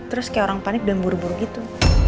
terus kayak orang panik dan buru buru gitu